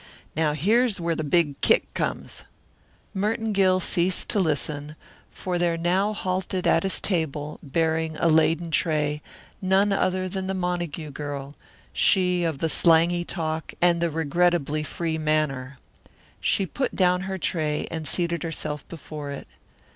Now here's where the big kick comes " Merton Gill ceased to listen for there now halted at his table, bearing a laden tray, none other than the Montague girl, she of the slangy talk and the regrettably free manner. She put down her tray and seated herself before it.